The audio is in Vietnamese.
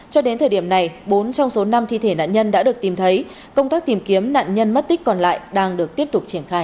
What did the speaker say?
cho đến thời điểm này bốn trong số năm thi thể nạn nhân đã được tìm thấy công tác tìm kiếm nạn nhân mất tích còn lại đang được tiếp tục triển khai